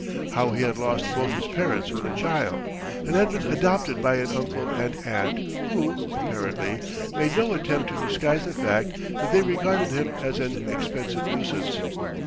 How he had lost both his parents when a child, and had been adopted by an uncle and aunt who, apparently, made no attempt to disguise the fact that they regarded him as an expensive nuisance.